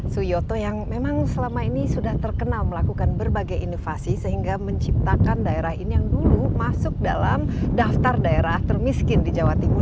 suyoto yang memang selama ini sudah terkenal melakukan berbagai inovasi sehingga menciptakan daerah ini yang dulu masuk dalam daftar daerah termiskin di jawa timur